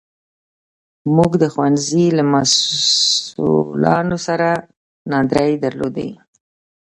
موږ د ښوونځي له مسوولانو سره ناندرۍ درلودې.